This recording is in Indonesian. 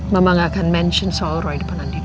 mama gak akan mention soal roy di depan andin